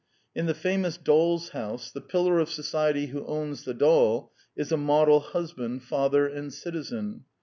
In the famous Doll's House, the pillar of society who owns the doll is a model husband, father, and citizen.